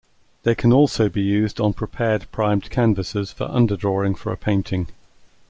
They can also be used on prepared primed canvases for underdrawing for a painting.